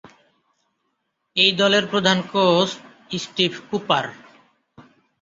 এই দলের প্রধান কোচ স্টিভ কুপার।